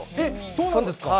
そうなんですか。